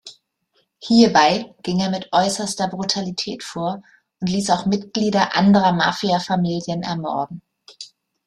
Hierbei ging er mit äußerster Brutalität vor und ließ auch Mitglieder anderer Mafia-Familien ermorden.